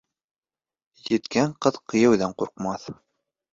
Еткән ҡыҙ кейәүҙән ҡурҡмаҫ.